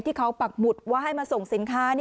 ที่เขาปักหมุดว่าให้มาส่งสินค้า